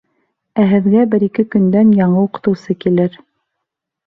Ә һеҙгә бер-ике көндән яңы уҡытыусы килер.